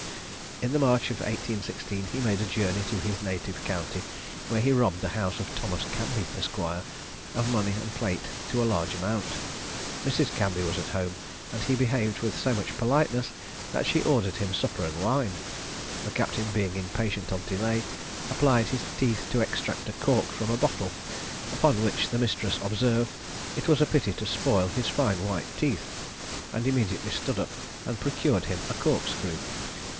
In the March of 1816 he made a journey to his native county, where he robbed the house of Thomas Cambie, Esq., of money and plate to a large amount. Mrs. Cambie was at home, and he behaved with so much politeness, that she ordered him supper and wine. The captain being impatient of delay, applied his teeth to extract a cork from a bottle; upon which the mistress observed "it was a pity to spoil his fine white teeth," and immediately stood up and procured him a corkscrew.